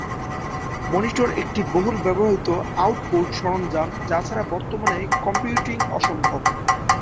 Monitor একটি বহুল ব্যবহৃত আউটপুট সরঞ্জাম যা ছাড়া বর্তমানে কম্পিউটিং অসম্ভব।